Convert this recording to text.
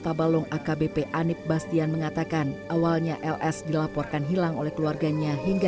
tabalong akbp anit bastian mengatakan awalnya ls dilaporkan hilang oleh keluarganya hingga